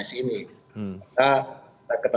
yang terjadi di sekitar kita